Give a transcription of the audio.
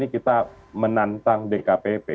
kita menantang dkpp